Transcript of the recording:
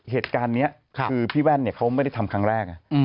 เหตุการณ์นี้คือพี่แว่นเขาไม่ได้ทำครั้งแรก